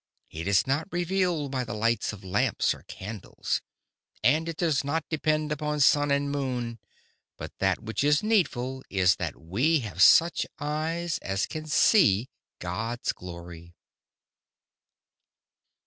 It is not revealed by the light of lamps or candles, and it does not depend upon sun and moon; but that which is needful is, that we have such eyes as can see God's glory."